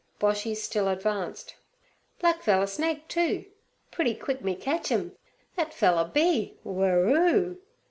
Boshy still advanced. 'Black feller snake too; pretty quick me catchem, that feller b—— whirroo!'